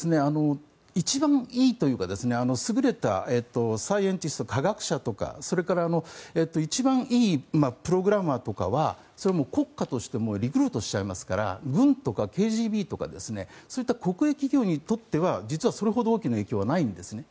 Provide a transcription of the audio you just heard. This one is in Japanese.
一番いいというか優れたサイエンティスト科学者とか一番いいプログラマーとかは国家としてもリクルートしちゃいますから軍とかＫＧＢとかそういった国営企業にとっては実はそれほど大きな影響はないんですね。